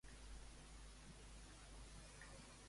I què ha emfasitzat?